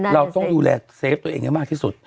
เราต้องดูแลเซฟตัวเองให้มากที่สุด